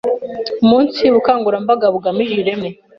umunsi bukangurambaga bugamije ireme